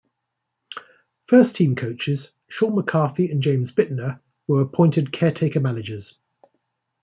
First team coaches Sean McCarthy and James Bittner were appointed caretaker managers.